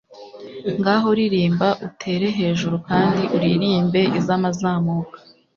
Ngaho ririmba Utere hejuru Kandi Uririmbe Izamazamuka